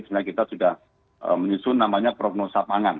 sebenarnya kita sudah menyusun namanya prognosa pangan